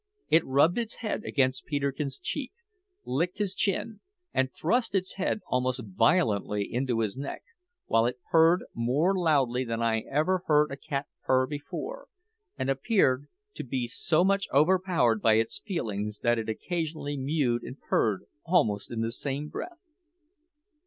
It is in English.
It rubbed its head against Peterkin's cheek, licked his chin, and thrust its head almost violently into his neck, while it purred more loudly than I ever heard a cat purr before, and appeared to be so much overpowered by its feelings that it occasionally mewed and purred almost in the same breath.